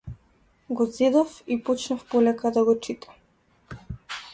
Го зедов и почнав полека да го читам.